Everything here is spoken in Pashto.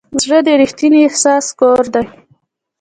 زړه د ریښتیني احساس کور دی.